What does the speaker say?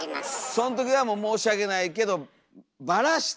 そん時はもう申し訳ないけどばらして！